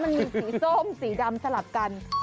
มันมีสีส้มสีดำสลับกัน